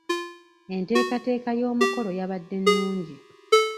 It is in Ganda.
Enteekateeka y'omukolo yabadde nnungi.